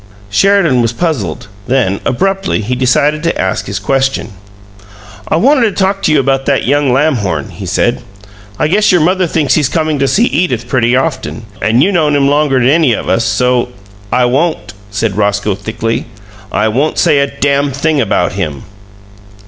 Sheridan was puzzled; then, abruptly, he decided to ask his question. "I wanted to talk to you about that young Lamhorn," he said. "I guess your mother thinks he's comin' to see Edith pretty often, and you known him longer'n any of us, so " "I won't," said Roscoe, thickly "I won't say a dam' thing about him!"